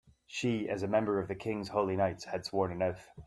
She, as a member of the king's holy knights, had sworn an oath.